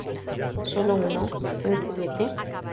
¿ Sólo uno? ¿ un juguete?